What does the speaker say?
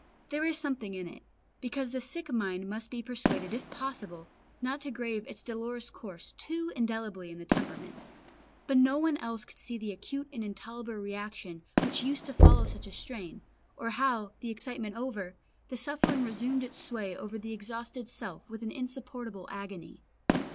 There is something in it, because the sick mind must be persuaded if possible not to grave its dolorous course too indelibly in the temperament; but no one else could see the acute and intolerable reaction which used to follow such a strain, or how, the excitement over, the suffering resumed its sway over the exhausted self with an insupportable agony.